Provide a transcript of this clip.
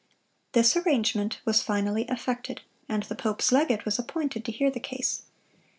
This arrangement was finally effected, and the pope's legate was appointed to hear the case.